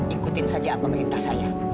ikutin saja apa perintah saya